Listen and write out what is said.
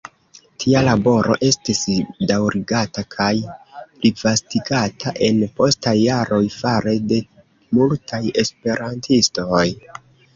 Tia laboro estis daŭrigata kaj plivastigata en postaj jaroj, fare de multaj esperantistoj.